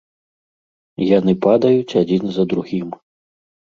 Яны падаюць адзін за другім.